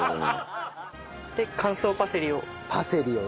で乾燥パセリを。